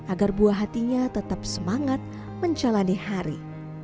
agar buah hatinya tetap semangat menjalani hari